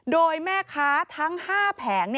โดยแม่ค้าทั้ง๕แผง